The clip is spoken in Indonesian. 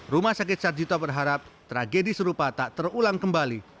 rumah sakit sarjito berharap tragedi serupa tak terulang kembali